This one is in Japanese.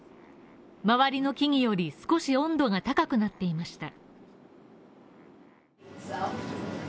周りの木々より少し温度が高くなっていました。